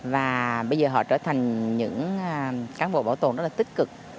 và bây giờ họ trở thành những cán bộ bảo tồn rất là tích cực